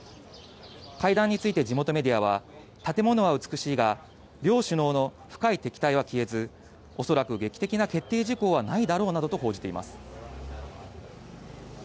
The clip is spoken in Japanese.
会談について地元メディアは、建物は美しいが、両首脳の深い敵対は消えず、恐らく劇的な決定事項はないだろうと報じています。